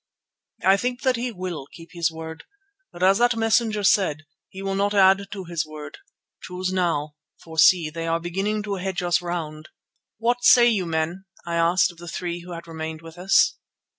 "I think that he will keep his word, but as that messenger said, he will not add to his word. Choose now, for see, they are beginning to hedge us round." "What do you say, men?" I asked of the three who had remained with us.